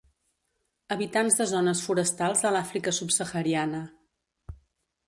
Habitants de zones forestals de l'Àfrica subsahariana.